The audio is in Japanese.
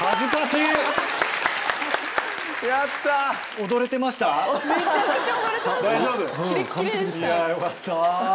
いやよかった。